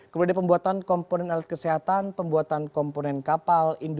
kemudian pembuatan komponen alat kesehatan pembuatan komponen kapal